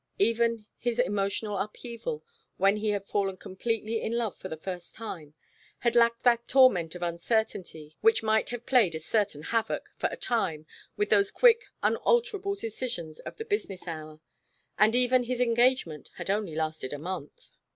Even his emotional upheaval, when he had fallen completely in love for the first time, had lacked that torment of uncertainty which might have played a certain havoc, for a time, with those quick unalterable decisions of the business hour; and even his engagement had only lasted a month.